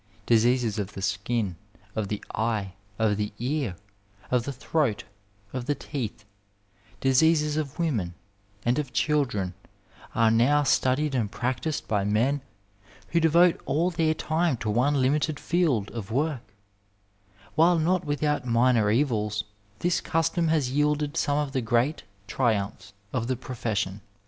Diseases of the skin, of the eye, of the ear, of the throat, of the teeth, diseases of women, and of children are now studied and practised, by men who devote all their time to one limited field of 234 Digitized by VjOOQiC MEDICINE m THE NINETEENTH CENTURY work. While not without minor evils, this custom has yielded some of the great triumphs of the profession.